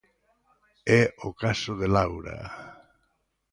É o caso de Laura.